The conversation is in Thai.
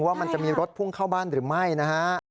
ว่ามันจะมีรถพุ่งเข้าบ้านหรือไม่นะฮะ